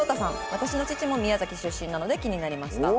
「私の父も宮崎出身なので気になりました」。